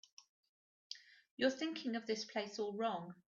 You're thinking of this place all wrong.